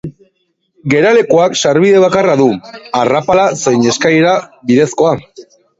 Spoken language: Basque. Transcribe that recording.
Geralekuak sarbide bakarra du, arrapala zein eskailera bidezkoa.